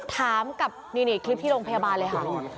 ถามกับนี่คลิปที่โรงพยาบาลเลยค่ะ